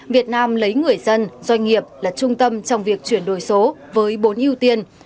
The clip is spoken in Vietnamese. việt nam lấy người dân doanh nghiệp là trung tâm trong việc chuyển đổi số với bốn ưu tiên